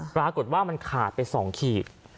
ปรากฏว่ามันขาดไป๒ขีด